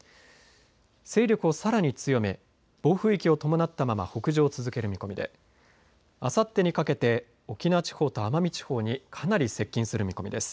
勢力をさらに強め暴風域を伴ったまま北上を続ける見込みであさってにかけて沖縄地方と奄美地方にかなり接近する見込みです。